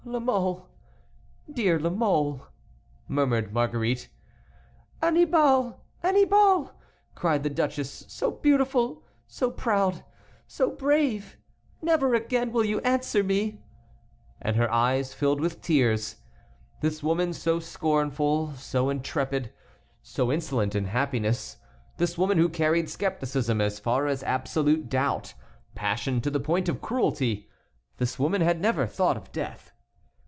"La Mole! Dear La Mole!" murmured Marguerite. "Annibal! Annibal!" cried the duchess, "so beautiful! so proud! so brave! Never again will you answer me!" And her eyes filled with tears. This woman, so scornful, so intrepid, so insolent in happiness; this woman who carried scepticism as far as absolute doubt, passion to the point of cruelty; this woman had never thought of death.